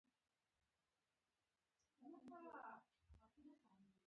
خپلې مزې کوه